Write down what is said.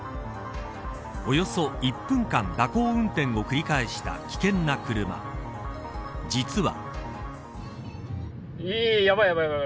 およそ１分間蛇行運転を繰り返した危険な車実は。